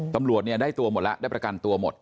ตำรวจเนี่ยได้ตัวหมดแล้วได้ประกันตัวหมด